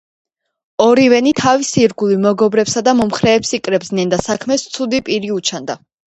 ორივენი თავის ირგვლივ მეგობრებსა და მომხრეებს იკრებდნენ და საქმეს ცუდი პირი უჩანდა.